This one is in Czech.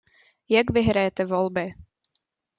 Jak vyhrajete volby?